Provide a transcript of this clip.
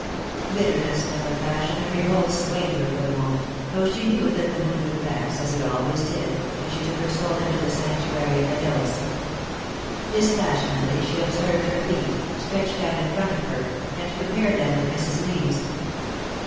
Bitterness and the passion of revolt swayed her for the moment, though she knew that the mood would pass, as it always did, when she took her soul into the sanctuary of the hills. [Sidenote: A Mystery] Dispassionately she observed her feet, stretched out in front of her, and compared them with Mrs. Lee's.